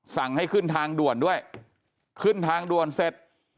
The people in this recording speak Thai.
สั่งให้ขึ้นทางด่วนด้วยขึ้นทางด่วนเสร็จ